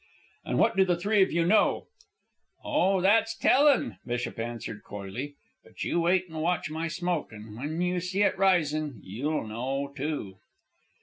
"And what do the three of you know?" "Oh, that's tellin'," Bishop answered, coyly. "But you wait and watch my smoke, and when you see it risin', you'll know, too."